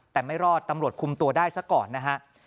แต่ไม่รอดตำรวจคุมตัวได้ซะก่อนนะฮะ